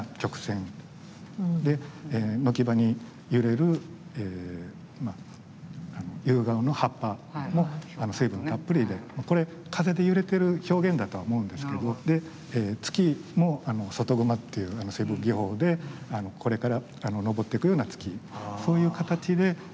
で軒端に揺れる夕顔の葉っぱも水分たっぷりでこれ風で揺れてる表現だとは思うんですけどで月も外隈っていう技法でこれから昇っていくような月そういう形で描き分けてますよね。